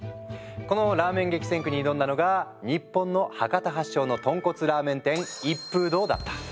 このラーメン激戦区に挑んだのが日本の博多発祥の豚骨ラーメン店「一風堂」だった。